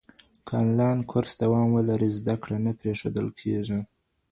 که انلاین کورس دوام ولري، زده کړه نه پرېښودل کېږي.